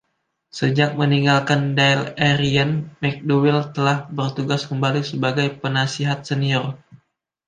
Sejak meninggalkan Dáil Éireann, McDowell telah bertugas kembali sebagai Penasihat Senior.